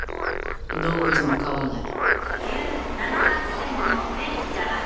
動物も飼わない。